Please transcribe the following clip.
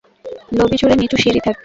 Lobby জুড়ে নিচু সিঁড়ি থাকবে।